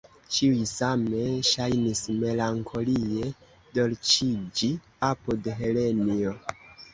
Ĉiuj same ŝajnis melankolie dolĉiĝi apud Helenjo.